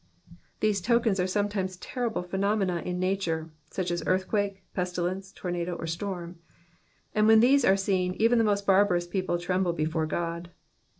These tokens are sometimes terrible phenomena in nature — such as earth quakes, pestilence, tornado, or storm ; and when these are seen, even the most barbarous people tremble before God.